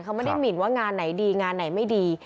เขาไม่ได้หมินว่างานไหนดีงานไหนไม่ดี